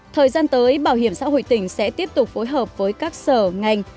thời gian tới bảo hiểm xã hội tỉnh sẽ tiếp tục phối hợp với các sở ngành